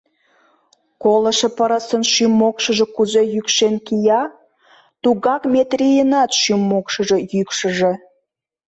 Колышо пырысын шӱм-мокшыжо кузе йӱкшен кия, тугак Метрийынат шӱм-мокшыжо йӱкшыжӧ!